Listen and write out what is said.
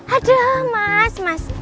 aduh mas mas